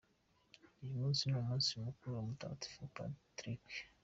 Uyu munsi ni umunsi mukuru wa Mutagatifu Patrick.